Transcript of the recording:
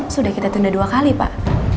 sudah kita tunda dua kali pak